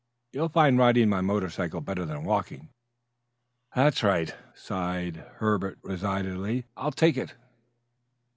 "You'll find riding my motorcycle better than walking." "That's right," sighed Herbert resignedly. "I'll take it."